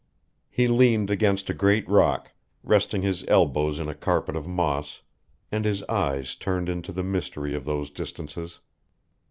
He leaned against a great rock, resting his elbows in a carpet of moss, and his eyes turned into the mystery of those distances.